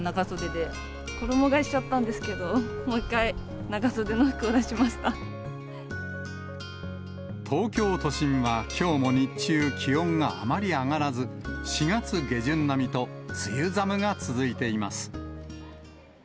衣がえしちゃったんですけれども、東京都心はきょうも日中、気温があまり上がらず、４月下旬並みと、梅雨寒が続いています。